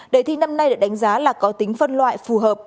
đề thi năm nay được đánh giá là có tính phân loại phù hợp